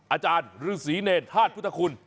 อาจารย์หรือศรีเนรฐาจพุทธคุณ